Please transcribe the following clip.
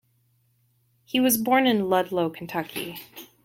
He was born in Ludlow, Kentucky.